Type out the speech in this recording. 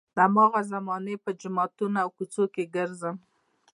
د هماغې زمانې په جوماتونو او کوڅو کې ګرځم.